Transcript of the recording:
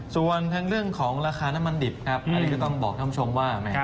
ส่วนทั้งเรื่องของราคาน้ำมันดิบครับอันนี้ก็ต้องบอกท่านผู้ชมว่า